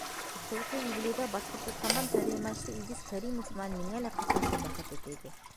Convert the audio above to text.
Иҫтәлекле юбилейҙа Башҡортостандан тәржемәсе Илгиз Кәримов менән миңә лә ҡатнашыу бәхете тейҙе.